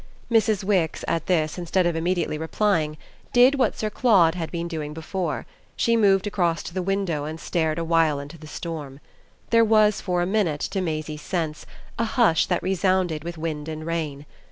Mrs. Wix, at this, instead of immediately replying, did what Sir Claude had been doing before: she moved across to the window and stared a while into the storm. There was for a minute, to Maisie's sense, a hush that resounded with wind and rain.